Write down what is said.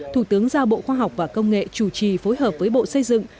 thủ tướng giao bộ khoa học và công nghệ chủ trì phối hợp với bộ xây dựng